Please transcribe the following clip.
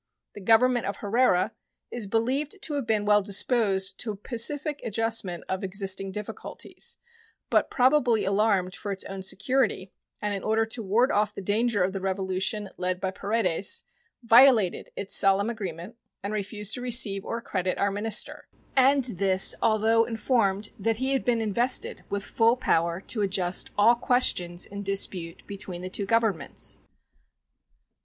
The Government of Herrera is believed to have been well disposed to a pacific adjustment of existing difficulties, but probably alarmed for its own security, and in order to ward off the danger of the revolution led by Paredes, violated its solemn agreement and refused to receive or accredit our minister; and this although informed that he had been invested with full power to adjust all questions in dispute between the two Governments.